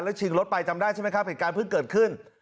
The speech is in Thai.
ชิงรถไปจำได้ใช่ไหมครับเหตุการณ์เพิ่งเกิดขึ้น